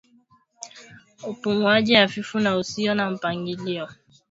Upumuaji hafifu na usio na mpangilio